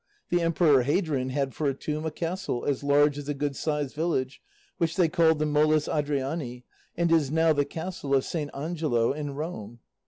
The emperor Hadrian had for a tomb a castle as large as a good sized village, which they called the Moles Adriani, and is now the castle of St. Angelo in Rome.